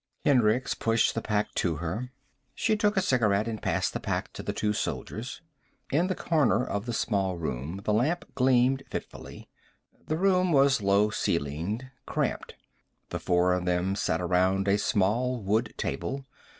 Hendricks pushed the pack to her. She took a cigarette and passed the pack to the two soldiers. In the corner of the small room the lamp gleamed fitfully. The room was low ceilinged, cramped. The four of them sat around a small wood table.